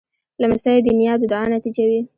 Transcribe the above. لمسی د نیا د دعا نتیجه وي.